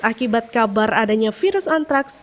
akibat kabar adanya virus antraks